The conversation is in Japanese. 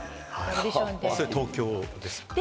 それは東京ですか？